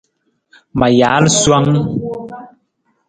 Ma jaal suwang.